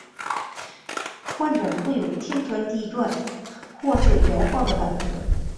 患者会有天旋地转或是摇晃的感觉。